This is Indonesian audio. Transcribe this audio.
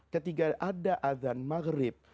ketika ada adhan maghrib